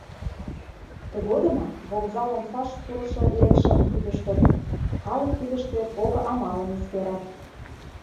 Тыгодымак вокзал омсаш пурышо-лекшым кӱтыштыт, калык кидыште пого-амалым эскерат.